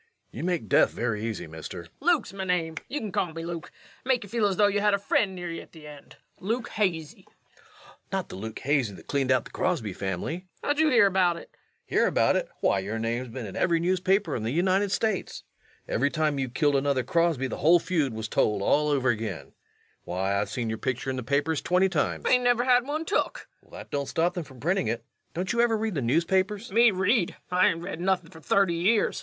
_] You make death very easy, Mister. LUKE. Luke's my name. Yer kin call me Luke. Make you feel as though you had a friend near you at the end Luke Hazy. REVENUE. [Starting as though interested, rising.] Not the Luke Hazy that cleaned out the Crosby family? LUKE. [Startled.] How'd you hear about it? REVENUE. Hear about it? Why, your name's been in every newspaper in the United States. Every time you killed another Crosby the whole feud was told all over again. Why, I've seen your picture in the papers twenty times. LUKE. Hain't never had one took. REVENUE. That don't stop them from printing it. Don't you ever read the newspapers? LUKE. Me read? I hain't read nothin' fer thirty years.